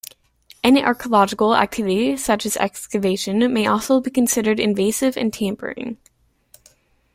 Any archaeological activity, such as excavation, may also be considered invasive and tampering.